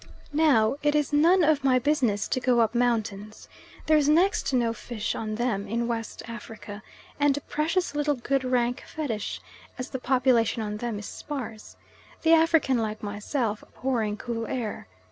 Now it is none of my business to go up mountains. There's next to no fish on them in West Africa, and precious little good rank fetish, as the population on them is sparse the African, like myself, abhorring cool air.